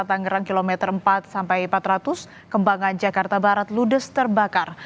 tangerang kilometer empat sampai empat empat ratus kembangan jakarta barat ludes terbakar